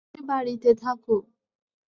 তুমি বাড়িতে থাকো।